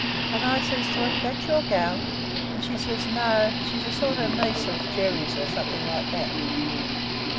An' I says to her, 'That your gal?' an' she says no, she 's a sort of niece of Jerry's or something like that.